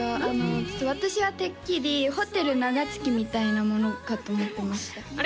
ちょっと私はてっきりホテル長月みたいなものかと思ってましたあれ？